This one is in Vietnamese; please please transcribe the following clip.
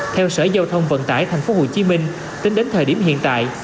theo sở giao thông vận tải tp hcm tính đến thời điểm hiện tại